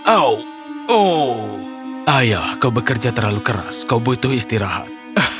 ayah kau bekerja terlalu keras kau butuh istirahat